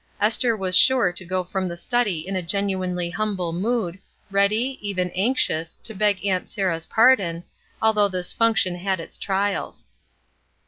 Esther was sure to go from the study in a genuinely humble mood, ready, even anxious, to beg Aunt Sarah's pardon, although this function had its trials.